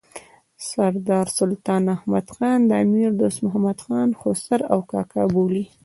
سردار سلطان احمد خان د امیر دوست محمد خان خسر او کاکا بولي.